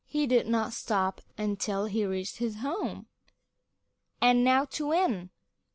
He did not stop until he reached his home. "And now to win!"